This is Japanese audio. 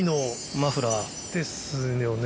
マフラー。ですよね。